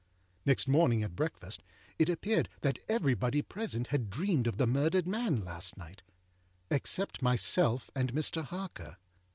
Next morning at breakfast, it appeared that everybody present had dreamed of the murdered man last night, except myself and Mr. Harker.